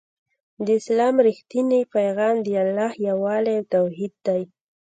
د اسلام رښتينی پيغام د الله يووالی او توحيد دی